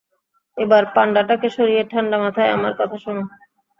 এবার পান্ডাটাকে সরিয়ে ঠান্ডা মাথায় আমার কথা শোনো।